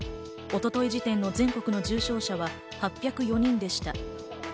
一昨日時点の全国の重症者は８０４人でした。